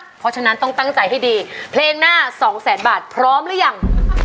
เพราะฉะนั้นต้องตั้งใจให้ดีเพลงหน้าสองแสนบาทพร้อมหรือยัง